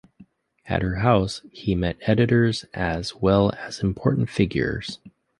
At her house he met editors as well as important figures.